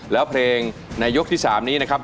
แล้วเพลงในยกที่๓นี้นะครับ